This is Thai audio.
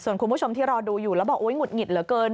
ส่วนคุณผู้ชมที่รอดูอยู่แล้วบอกหุดหงิดเหลือเกิน